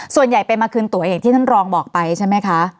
ส่วนใหญ่เป็นว่ามัคคลุณตั๋วเองที่ท่านรองบอกไหมคะ